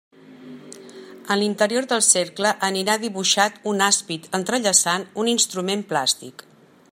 En l'interior del cercle anirà dibuixat un àspid entrellaçant un instrument plàstic.